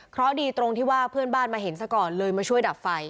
เพราะดีตรงที่ว่าเพื่อนบ้านมาเห็นซะก่อนเลยมาช่วยดับไฟ